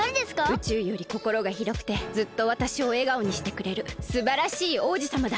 宇宙よりこころがひろくてずっとわたしをえがおにしてくれるすばらしい王子さまだ。